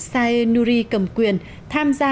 sae nuri cầm quyền tham gia